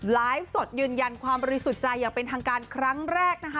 ไลฟ์สดยืนยันความบริสุทธิ์ใจอย่างเป็นทางการครั้งแรกนะคะ